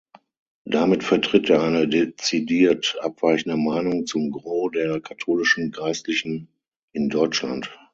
Damit vertritt er eine dezidiert abweichende Meinung zum Gros der katholischen Geistlichen in Deutschland.